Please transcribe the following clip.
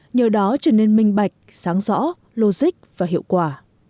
nhờ đó trở nên minh bạch sáng rõ logic và hiệu quả